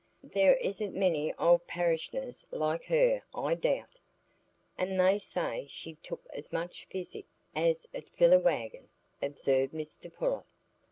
There isn't many old _par_ish'ners like her, I doubt." "And they say she'd took as much physic as 'ud fill a wagon," observed Mr Pullet.